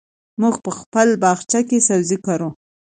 موږ په خپل باغچه کې سبزي کرو.